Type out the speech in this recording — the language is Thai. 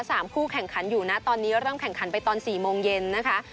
คู่แข่งขันอยู่นะตอนนี้เริ่มแข่งขันไปตอนสี่โมงเย็นนะคะ